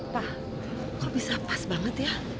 wah kok bisa pas banget ya